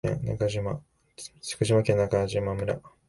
福島県中島村